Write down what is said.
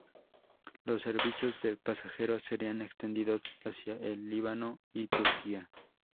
Los servicios de pasajeros serían extendidos hacia el Líbano y Turquía.